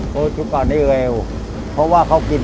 เพราะทุกอันนี้เร็วเพราะว่าเขากินต่อแขง